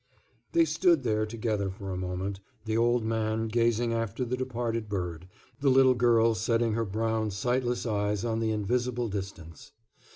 They stood there together for a moment, the old man gazing after the departed bird, the little girl setting her brown, sightless eyes on the invisible distance.